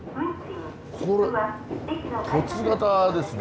これ凸型ですね。